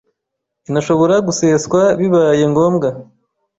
inashobora guseswa bibaye ngombwa,